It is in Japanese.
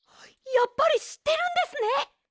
やっぱりしってるんですね！